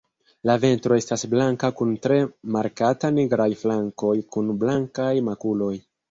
La ventro estas blanka kun tre markata nigraj flankoj kun blankaj makuloj.